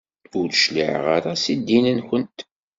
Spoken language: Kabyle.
Ur d-cliɛeɣ ara seg ddin-nkent.